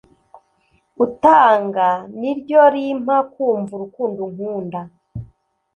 utanga ni ryo rimpa kumva urukundo unkunda